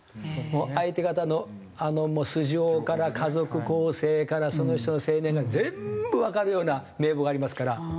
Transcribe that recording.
相手方の素性から家族構成からその人の生年月日全部わかるような名簿がありますから。